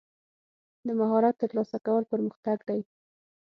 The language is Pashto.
د مهارت ترلاسه کول پرمختګ دی.